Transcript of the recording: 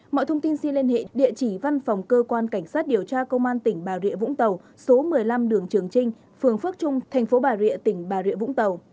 mọi thông tin xin liên hệ địa chỉ văn phòng cơ quan cảnh sát điều tra công an tỉnh bà rịa vũng tàu số một mươi năm đường trường trinh phường phước trung thành phố bà rịa tỉnh bà rịa vũng tàu